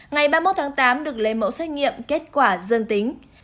ngày ba mươi một tháng tám được lấy mẫu xét nghiệm kết quả dương tính